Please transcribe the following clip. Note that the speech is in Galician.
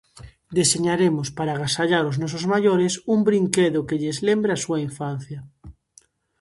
Deseñaremos para agasallar os nosos maiores un brinquedo que lles lembre a súa infancia.